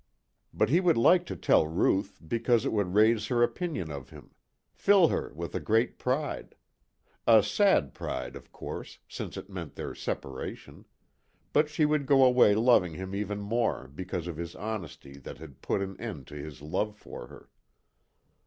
But he would like to tell Ruth, because it would raise her opinion of him; fill her with a great pride. A sad pride, of course, since it meant their separation. But she would go away loving him even more because of his honesty that had put an end to his love for her.